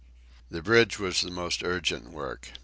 The bridge was the most urgent work.